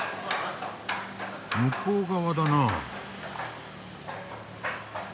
・向こう側だな。